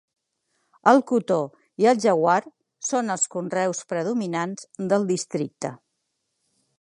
El cotó i el jawar són els conreus predominants del districte.